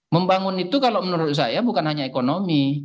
membangun itu kalau menurut saya bukan hanya ekonomi